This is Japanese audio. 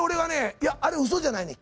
「いやあれウソじゃないねん。